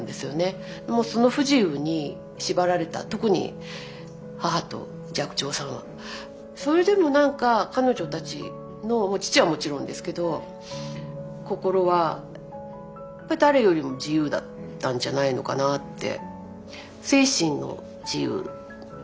でもその不自由に縛られた特に母と寂聴さんはそれでも何か彼女たちの父はもちろんですけど心はやっぱり誰よりも自由だったんじゃないのかなって。